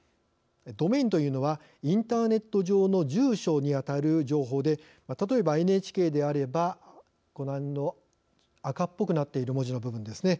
ドメインというのはインターネット上の住所にあたる情報で例えばＮＨＫであればご覧の赤っぽくなっている文字の部分ですね。